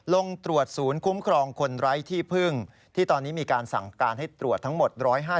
ลงตรวจศูนย์คุ้มครองคนไร้ที่พึ่งที่ตอนนี้มีการสั่งการให้ตรวจทั้งหมด๑๕๐